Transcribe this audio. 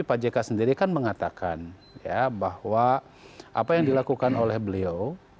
pak jk sendiri kan mengatakan bahwa apa yang dilakukan oleh beliau